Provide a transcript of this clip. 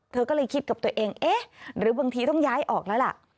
เธอก็เลยคิดกับตัวเองเอ๊ะหรือบางทีต้องย้ายออกแล้วล่ะ